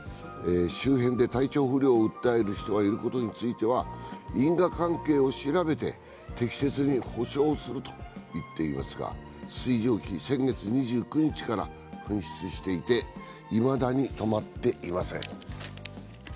周辺で体調不良を訴える人がいることについては因果関係を調べて、適切に補償すると言っていますが水蒸気、先月２９日から噴出していていまだに止まっていません。